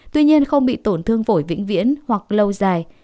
tuy nhiên không bị tổn thương phổi vĩnh viễn hoặc lâu dài